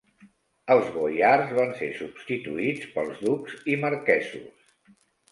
Els boiars van ser substituïts pels ducs i marquesos.